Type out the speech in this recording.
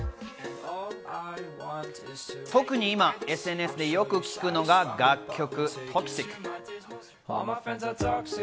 特に今ＳＮＳでよく聴くのが楽曲